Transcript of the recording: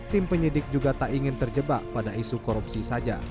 tim penyidik juga tak ingin terjebak pada isu korupsi saja